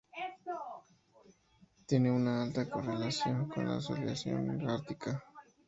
Tiene una alta correlación con la oscilación ártica.